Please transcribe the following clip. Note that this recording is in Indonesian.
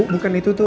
bukan itu tuh